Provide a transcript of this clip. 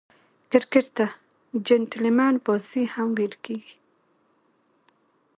کرکټ ته "جېنټلمن بازي" هم ویل کیږي.